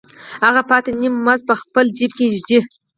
هغه پاتې نیم مزد په خپل جېب کې ږدي